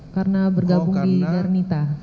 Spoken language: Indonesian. karena bergabung di garnita